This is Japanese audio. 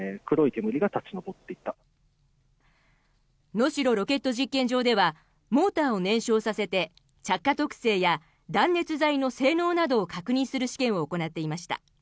能代ロケット実験場ではモーターを燃焼させて着火特性や断熱材の性能などを確認する試験を行っていました。